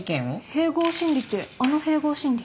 併合審理ってあの併合審理？